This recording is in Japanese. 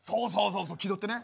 そうそう気取ってね。